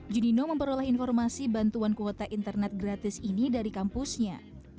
junino memperoleh informasi bantuan kuota internet gratis ini dari kampusnya